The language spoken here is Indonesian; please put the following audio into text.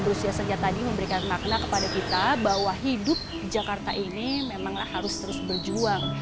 berusia sejak tadi memberikan makna kepada kita bahwa hidup jakarta ini memang harus terus berjuang